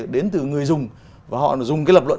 đến từ người dùng và họ dùng cái lập luận